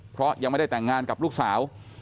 เพราะยังไม่ได้แต่งงานกับลูกสาว